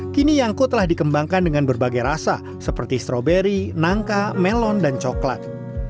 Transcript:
kini yangko telah dikembangkan dengan berbagai rasa seperti stroberi nangka melon dan coklat